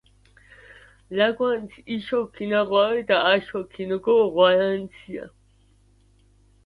ლაგვანც იშო ქინაღვარედა აშო ქინგოღვარანცია.